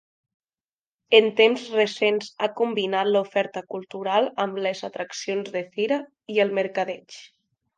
En temps recents ha combinat l'oferta cultural amb les atraccions de fira i el mercadeig.